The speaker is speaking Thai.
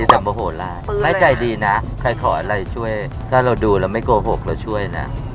แต่โมโหลาไม่ใจดีนะใครขออะไรช่วยถ้าเราดูเราไม่โกหกเราช่วยนะ